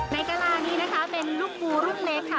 กระลานี้นะคะเป็นลูกปูรุ่นเล็กค่ะ